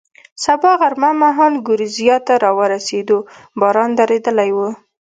سبا غرمه مهال ګورېزیا ته را ورسېدو، باران درېدلی و.